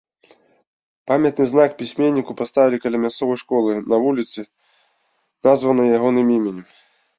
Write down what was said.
Памятны знак пісьменніку паставілі каля мясцовай школы на вуліцы, названай ягоным імем.